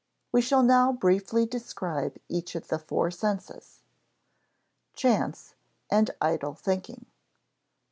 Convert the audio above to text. We shall now briefly describe each of the four senses. [Sidenote: Chance and idle thinking] I.